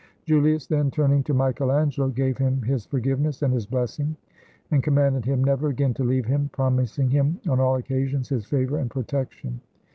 Julius, then, turning to Michael Angelo, gave him his forgive ness and his blessing, and commanded him never again to leave him, promising him on all occasions his favor and protection.